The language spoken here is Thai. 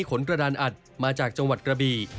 กระดานอัดมาจากจังหวัดกระบี